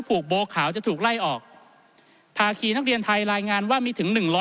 หู่กโบว์ข่าวจะถูกไล่ออกภาร๊ะคีนักเรียนไทยรายงานว่ามีถึง